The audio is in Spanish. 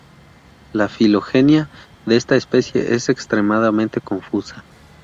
La filogenia de esta especie es extremadamente confusa.